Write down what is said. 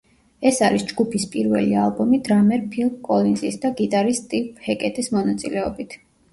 ეს არის ჯგუფის პირველი ალბომი დრამერ ფილ კოლინზის და გიტარისტ სტივ ჰეკეტის მონაწილეობით.